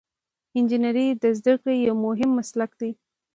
انجنیری د زده کړې یو مهم مسلک دی.